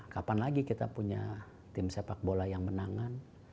kapan lagi kita punya tim sepak bola yang menangan